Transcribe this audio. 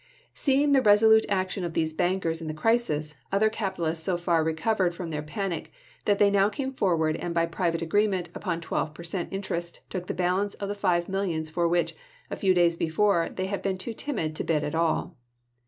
Seeing the resolute action of these bankers in the crisis, other capitalists so far recovered from their panic that they now came forward and by private agreement upon twelve per cent, interest took the balance of the five millions for which, a few days Jan. i, i'uei. before, they had been too timid to bid at all.